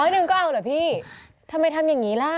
หนึ่งก็เอาเหรอพี่ทำไมทำอย่างนี้ล่ะ